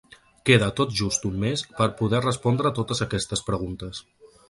Queda tot just un mes per a poder respondre totes aquestes preguntes.